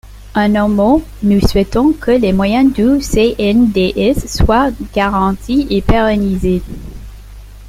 En un mot, nous souhaitons que les moyens du CNDS soient garantis et pérennisés.